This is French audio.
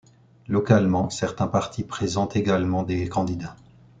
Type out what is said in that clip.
Localement, certains partis présentent également des candidats.